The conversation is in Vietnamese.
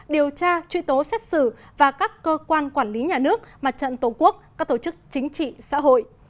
điều tra truy tố xét xử và các cơ quan quản lý nhà nước mặt trận tổ quốc các tổ chức chính trị xã hội